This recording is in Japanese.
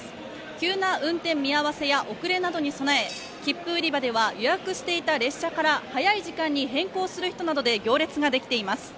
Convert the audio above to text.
急な運転見合わせや遅れなどに備え切符売り場では予約していた列車から早い時間に変更する人などで行列ができています